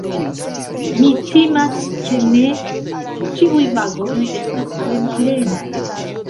Mi timas ke ne; ĉiuj vagonoj estas plenplenaj.